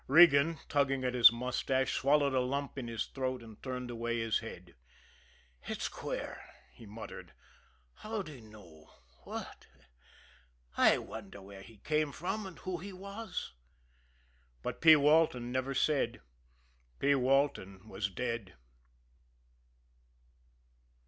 Regan, tugging at his mustache, swallowed a lump in his throat, and turned away his head. "It's queer!" he muttered. "How'd he know what? I wonder where he came from, and who he was?" But P. Walton never said. P. Walton was dead.